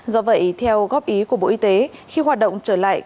do vậy theo góp ý của bộ y tế khi hoạt động trở lại